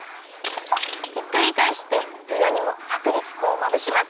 ひっくりかえしてうらにもはくりき粉をまぶします。